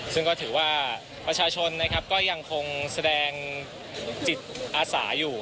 ซึ่งก็ถือว่าประชาชนยังคงแสดงจิตอาสาอยู่